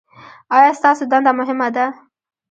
ایا ستاسو دنده مهمه ده؟